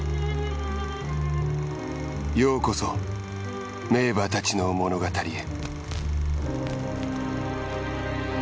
ようこそ名馬たちの物語へ。